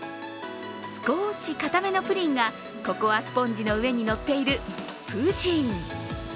少し固めのプリンが、ココアスポンジの上に乗っているプヂン。